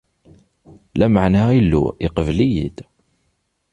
Lameɛna Illu iqebl-iyi-d.